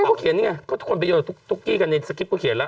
ก็พี่เขียนช่างนี้ก็ทุกคนไปย่องออกตุ๊กกี้กันในสกิปพูดเขียนละ